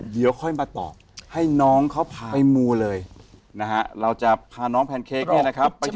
เดี๋ยวค่อยมาตอบให้น้องเขาพาไปมูเลยนะฮะเราจะพาน้องแพนเค้กเนี่ยนะครับ